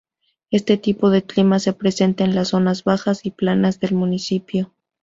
Este tipo de clima se presenta en las zonas bajas y planas del municipio.